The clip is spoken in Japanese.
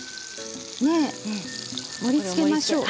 盛りつけましょう。